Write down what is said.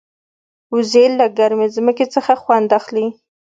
وزې له ګرمې ځمکې څخه خوند اخلي